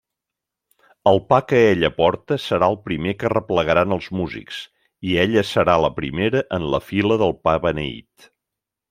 El pa que ella porta serà el primer que arreplegaran els músics, i ella serà la primera en la fila del pa beneit.